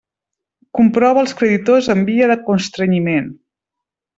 Comprova els creditors en via de constrenyiment.